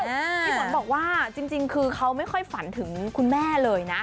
พี่ฝนบอกว่าจริงคือเขาไม่ค่อยฝันถึงคุณแม่เลยนะ